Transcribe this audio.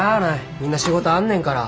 みんな仕事あんねんから。